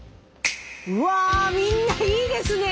うわみんないいですね！